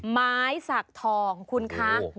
ไม้สักทองคุณคะ